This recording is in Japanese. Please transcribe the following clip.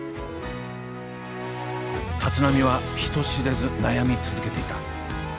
立浪は人知れず悩み続けていた。